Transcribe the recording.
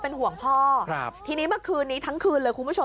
พ่อออกมามอบตัวเถอะลูกน่ะร้องไห้คุณผู้ชม